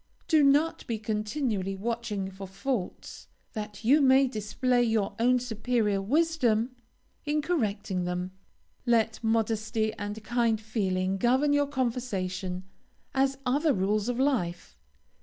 Do not be continually watching for faults, that you may display your own superior wisdom in correcting them. Let modesty and kind feeling govern your conversation, as other rules of life.